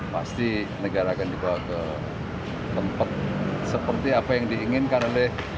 pasti negara akan dibawa ke tempat seperti apa yang diinginkan oleh